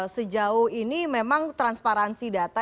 sejauh ini memang transparansi data